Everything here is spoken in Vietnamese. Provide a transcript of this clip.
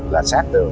là sát đường